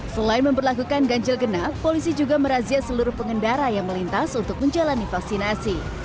selain memperlakukan ganjil genap polisi juga merazia seluruh pengendara yang melintas untuk menjalani vaksinasi